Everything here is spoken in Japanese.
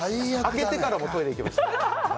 明けてからもトイレ行きました。